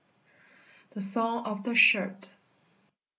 THE SONG OF THE SHIRT.